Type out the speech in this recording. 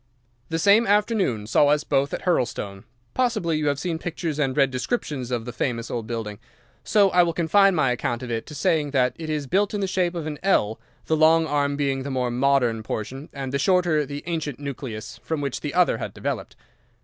"The same afternoon saw us both at Hurlstone. Possibly you have seen pictures and read descriptions of the famous old building, so I will confine my account of it to saying that it is built in the shape of an L, the long arm being the more modern portion, and the shorter the ancient nucleus, from which the other had developed.